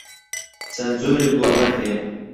چەند جۆرێک گۆڤار هەیە.